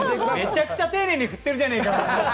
めちゃくちゃ丁寧に振ってるじゃねえか。